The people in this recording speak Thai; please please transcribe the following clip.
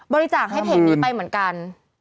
บริจาคให้เพจนี้ไปเหมือนกัน